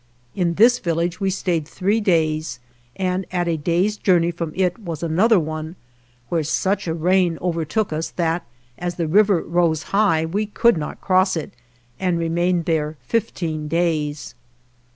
54 In this village we stayed three days, and at a day's journey from it was another one, where such a rain overtook us that, as the river rose high, we could not cross it, and remained there fifteen days.